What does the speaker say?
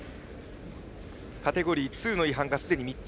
カテゴリー２の違反がすでに３つ。